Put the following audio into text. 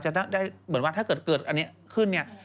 จะได้เหมือนว่าถ้าเกิดอันนี้ขึ้นเนี่ย